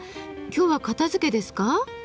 今日は片づけですか？